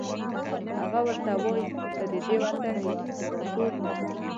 هغه ورته وایي ته ددې وطن یو امپراتور یې.